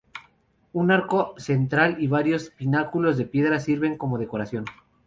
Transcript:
Un arco central y varios pináculos de piedra sirven como decoración.